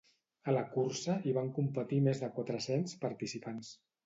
A la cursa hi van competir més de quatre-cents participants.